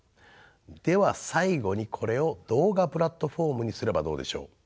では最後にこれを動画プラットフォームにすればどうでしょう？